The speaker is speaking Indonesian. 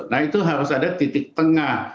nah itu harus ada titik tengah